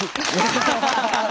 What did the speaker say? ハハハハハ。